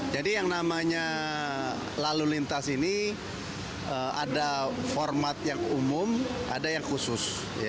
jadi yang namanya lalu lintas ini ada format yang umum ada yang khusus